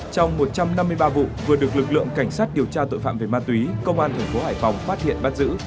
trong một trăm năm mươi ba vụ vừa được lực lượng cảnh sát điều tra tội phạm về ma túy công an tp hoài phòng phát hiện bắt giữ